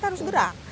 kita harus gerak